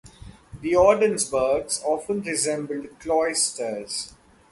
The Ordensburgs often resembled cloisters.